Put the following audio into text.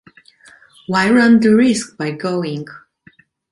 Why run the risk by going?